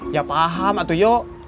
ya paham atuh yuk